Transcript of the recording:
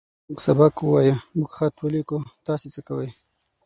موږ سبق ووايه. موږ خط وليکو. تاسې څۀ کوئ؟